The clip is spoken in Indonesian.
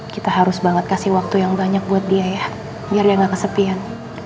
kita harus banget kasih waktu yang banyak buat dia ya biar dia gak kesepian